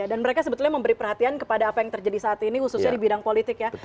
dan mereka sebetulnya memberi perhatian kepada apa yang terjadi saat ini khususnya di bidang politik ya